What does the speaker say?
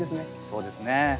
そうですね。